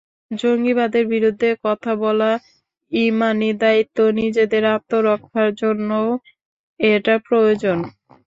জঙ্গিবাদের বিরুদ্ধে কথা বলা ইমানি দায়িত্ব, নিজেদের আত্মরক্ষার জন্যও এটা প্রয়োজন।